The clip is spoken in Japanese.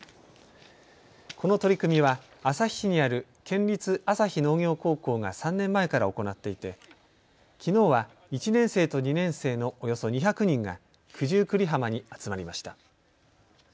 この取り組みは旭市にある県立旭農業高校が３年前から行っていてきのうは１年生と２年生のおよそ２００人が九十九里浜に集まりました。